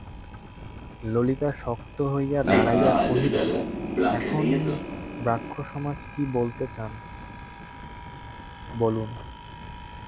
ললিতা শক্ত হইয়া দাঁড়াইয়া কহিল, এখন ব্রাহ্মসমাজ কী বলতে চান বলুন।